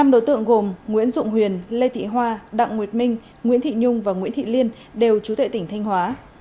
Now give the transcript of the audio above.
năm đối tượng gồm nguyễn dụng huyền lê thị hoa đặng nguyệt minh nguyễn thị nhung và nguyễn thị liên đều trú tại tỉnh thanh hóa